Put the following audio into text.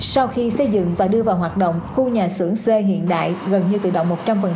sau khi xây dựng và đưa vào hoạt động khu nhà xưởng c hiện đại gần như tự động một trăm linh